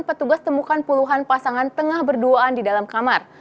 petugas temukan puluhan pasangan tengah berduaan di dalam kamar